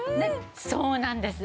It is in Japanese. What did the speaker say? そうなんです。